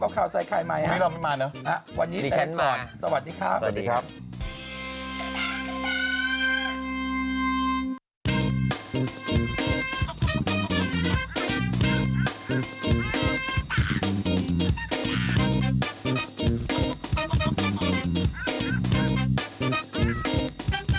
กลับมาพบกับข่าวสายไข่ใหม่นะครับวันนี้เรามาเนอะสวัสดีครับสวัสดีครับ